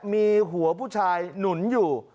มีหัวผู้ชายหนุนอยู่